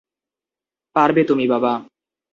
পারবে তুমি, বাবা।